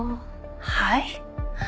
はい？